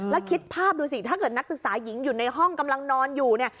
แล้วคิดภาพดูสิถ้าเกิดนักศึกษาหญิงอยู่ในห้องกำลังนอนอยู่เนี่ย